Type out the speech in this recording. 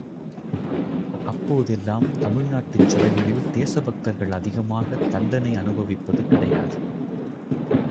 அப்போதெல்லாம் தமிழ்நாட்டுச் சிறைகளில் தேசபக்தர்கள் அதிகமாக தண்டனை அனுபவிப்பது கிடையாது.